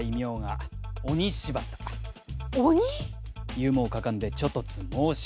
勇猛果敢で猪突猛進。